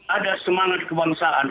ada semangat kebangsaan